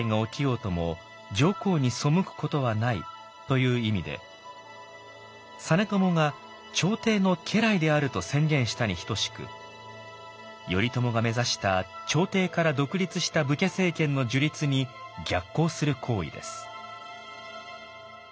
という意味で実朝が朝廷の家来であると宣言したにひとしく頼朝が目指した朝廷から独立した武家政権の樹立に逆行する行為です。